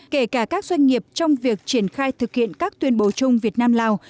kể cả các doanh nghiệp trong việc triển khai thực hiện các tuyên bố chung việt nam lào